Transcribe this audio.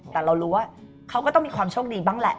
แต่เรารู้ว่าเขาก็ต้องมีความโชคดีบ้างแหละ